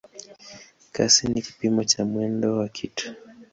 Kasi ni kipimo cha mwendo wa kitu.